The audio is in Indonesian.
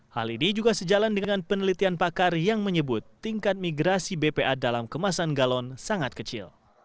hal ini juga sejalan dengan penelitian pakar yang menyebut tingkat migrasi bpa dalam kemasan galon sangat kecil